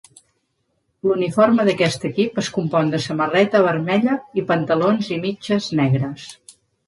L'uniforme d'aquest equip es compon de samarreta vermella i pantalons i mitges negres.